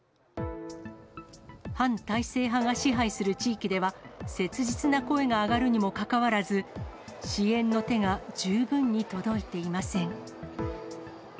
反体制派が支配する地域では、切実な声が上がるにもかかわらず、支援の手が十分に届いていません。